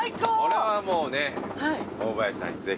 これはもうね大林さんにぜひ。